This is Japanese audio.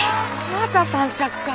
また３着か。